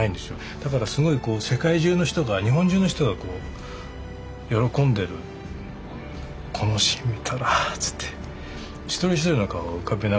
だからすごい世界中の人が日本中の人がこう喜んでる「このシーン見たら」つって一人一人の顔を浮かべながら描いてましたから。